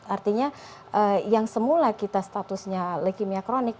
artinya yang semula kita statusnya leukemia kronik